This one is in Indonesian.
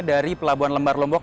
dari pelabuhan lembar lombok